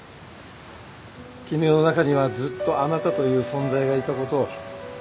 絹代の中にはずっとあなたという存在がいたことを。